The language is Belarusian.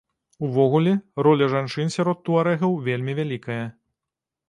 Увогуле, роля жанчын сярод туарэгаў вельмі вялікая.